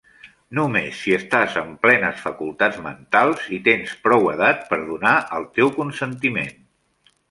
Només si estàs en plenes facultats mentals i tens prou edat per donar el teu consentiment.